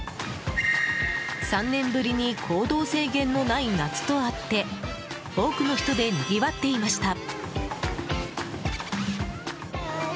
３年ぶりに行動制限のない夏とあって多くの人でにぎわっていました。